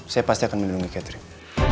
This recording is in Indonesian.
saya pasti akan mendukungi catherine